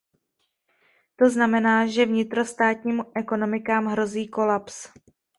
To znamená, že vnitrostátním ekonomikám hrozí kolaps.